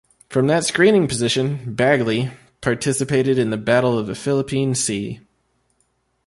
From that screening position "Bagley" participated in the Battle of the Philippine Sea.